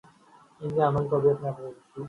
ان کے عمل کو بھی اپنانے کی کوشش کی